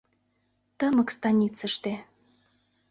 ТЫМЫК СТАНИЦЫШТЕ